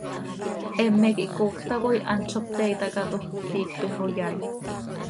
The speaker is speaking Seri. Heme quih coocj tacoi hant zo pte itacaatoj, pti iicp ixoyai.